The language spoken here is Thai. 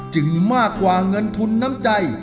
มากกว่าเงินทุนน้ำใจ